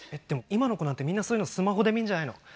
でも今の子なんてみんなそういうのスマホで見んじゃないの？